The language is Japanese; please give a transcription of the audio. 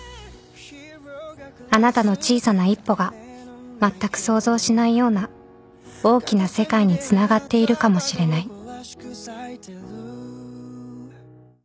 ［あなたの小さな一歩がまったく想像しないような大きな世界につながっているかもしれない］